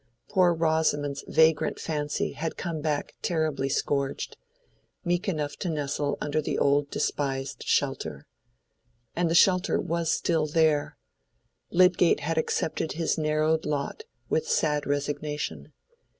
Poor Rosamond's vagrant fancy had come back terribly scourged—meek enough to nestle under the old despised shelter. And the shelter was still there: Lydgate had accepted his narrowed lot with sad resignation.